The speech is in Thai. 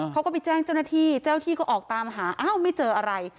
เขาก็ไปแจ้งเจ้าหน้าที่เจ้าหน้าที่ก็ออกตามหาอ้าวไม่เจออะไร